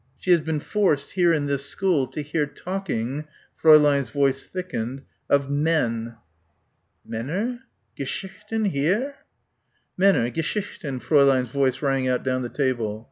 "She has been forced, here, in this school, to hear talking" Fräulein's voice thickened "of men...." "Männer geschichten ... here!" "Männer geschichten." Fräulein's voice rang out down the table.